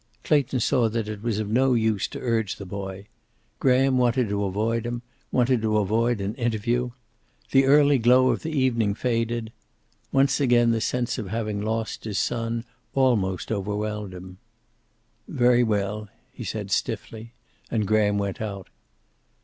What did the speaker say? Clayton saw that it was of no use to urge the boy. Graham wanted to avoid him, wanted to avoid an interview. The early glow of the evening faded. Once again the sense of having lost his son almost overwhelmed him. "Very well," he said stiffly. And Graham went out.